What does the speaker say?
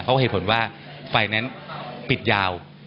เพราะเหตุผลว่าไฟแนนซ์ปิดยาว